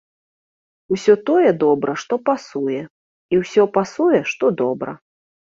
Усё тое добра, што пасуе, і ўсё пасуе, што добра!